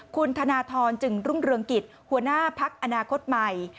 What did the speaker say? คุณธนทรจึงรุ่งเรืองกิจหัวหน้าพักอนาคตใหม่